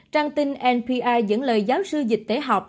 trang tin npr dẫn lời giáo sư dịch tế học